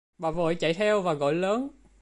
Bà vội chạy theo và Gọi lớn